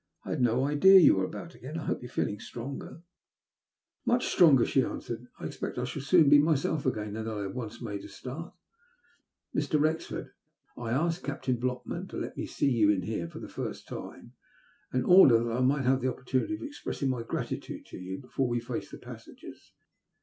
I had no idea you were about again. I hope you are feeling stronger, II 210 THE LUST OF HATB. Much stronger/' she answered. I expect I sliaH soon be quite myself again, now that I have once made a start. Mr. Wrexford, I asked Captain Blockman to let me see you in here for the first time, in order that I might have an opportunity of expressing my grad tude to you before we face the passengers.